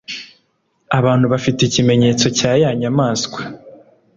abantu bafite ikimenyetso cya ya nyamaswa